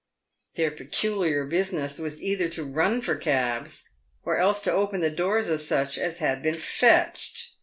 Their peculiar business was either to run for cabs, or else to open the doors of such as had been fetched.